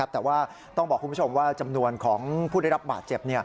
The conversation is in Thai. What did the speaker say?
แต่ว่าต้องบอกคุณผู้ชมว่าจำนวนของผู้ได้รับบาดเจ็บ